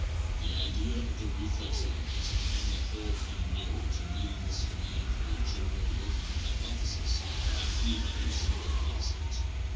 The idea of the reflex arc has upon the whole come nearer to meeting this demand for a general working hypothesis than any other single concept.